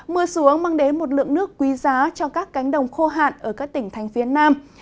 mưa xuống mang đến một lượng nước quý giá cho các cánh đồng khô hạn ở các tỉnh thành phía nam